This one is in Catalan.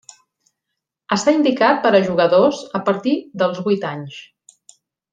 Està indicat per a jugadors a partir dels vuit anys.